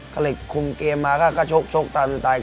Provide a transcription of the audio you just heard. ก็เลยคุมเกมมาก็โชคตามสุดท้าย